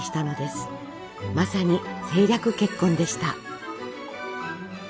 まさに政略結婚でした。